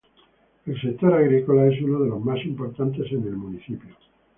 El sector agrícola es uno de los más importantes en el municipio.